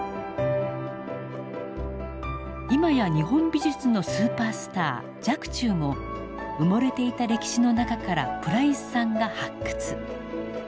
いまや日本美術のスーパースター若冲も埋もれていた歴史の中からプライスさんが発掘。